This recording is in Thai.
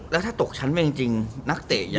แล้วถ้าตกชั้นแบบนี้จริงนักเตะอย่าง